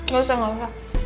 gak usah gak usah